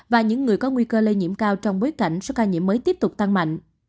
và những người có nguy cơ lây nhiễm cao trong bối cảnh số ca nhiễm mới tiếp tục tăng mạnh